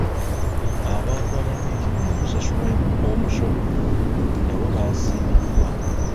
Abantu abanyiikivu mu kusasula omusolo nabo baasiimiddwa.